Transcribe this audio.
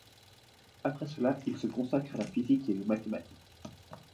Après cela, il se consacre à la physique et aux mathématiques.